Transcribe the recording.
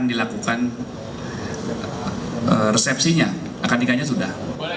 bukan resepsinya akan nikahnya sudah